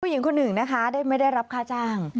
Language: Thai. หญิงคนหนึ่งนะคะได้ไม่ได้รับค่าจ้าง